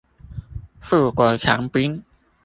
富國強兵